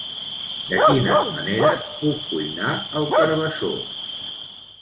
De quines maneres puc cuinar el carabassó?